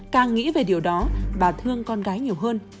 càng nghĩ về điều đó bà thương con gái nhiều hơn